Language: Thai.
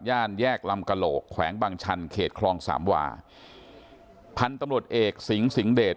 แยกลำกระโหลกแขวงบางชันเขตคลองสามวาพันธุ์ตำรวจเอกสิงสิงหเดช